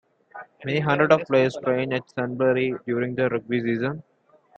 Many hundreds of players train at Sunbury during the rugby season.